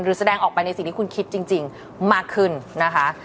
แสดงออกไปในสิ่งที่คุณคิดจริงมากขึ้นนะคะ